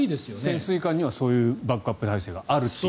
潜水艦にはそういうバックアップ体制があると。